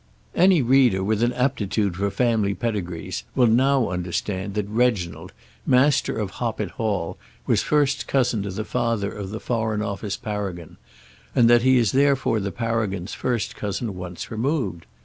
Any reader with an aptitude for family pedigrees will now understand that Reginald, Master of Hoppet Hall, was first cousin to the father of the Foreign Office paragon, and that he is therefore the paragon's first cousin once removed.